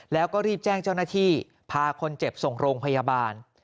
แล้วก็รีบแจ้งเจ้าหน้าที่พาคนเจ็บส่งโรงพยาบาล